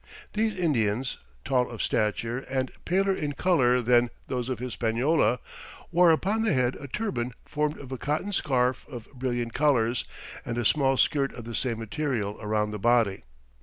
These Indians, tall of stature, and paler in colour than those of Hispaniola, wore upon the head a turban formed of a cotton scarf of brilliant colours, and a small skirt of the same material around the body.